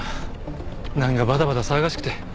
何かバタバタ騒がしくて。